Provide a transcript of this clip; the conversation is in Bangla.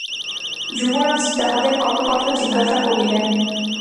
যুবরাজ তাহাদের কত কি কথা জিজ্ঞাসা করিলেন।